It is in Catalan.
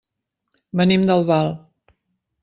Venim d'Albal.